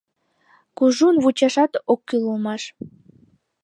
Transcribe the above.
Кужун вучашат ок кӱл улмаш».